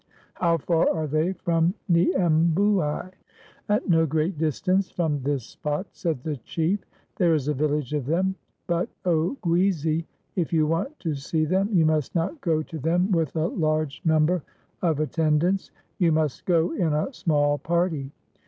How far are they from Niembouai?" "At no great distance from this spot," said the chief, "there is a village of them; but, Oguizi, if you want to see them you must not go to them with a large number of attendants. You must go in a small party.